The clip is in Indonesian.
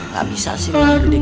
gak bisa sih lu bedek dia